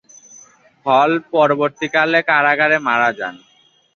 হল পরবর্তীকালে কারাগারে মারা যান।